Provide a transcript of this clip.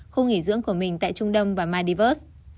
khu nghỉ dưỡng của mình tại trung đông và myvest